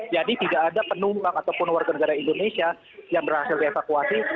jadi tidak ada penumpang ataupun warga negara indonesia yang berhasil dievakuasi